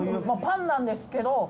まぁパンなんですけど。